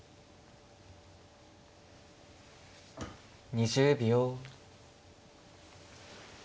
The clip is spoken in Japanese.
２０秒。